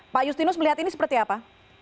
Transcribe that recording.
pak justinus melihat ini seperti apa